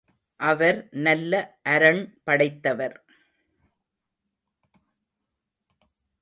அவர் நல்ல அரண் படைத்தவர்.